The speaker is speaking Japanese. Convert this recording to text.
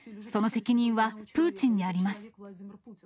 その責任はプーチンにあります。